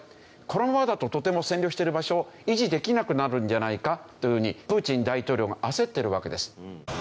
このままだととても占領している場所を維持できなくなるんじゃないか？というふうにプーチン大統領が焦っているわけです。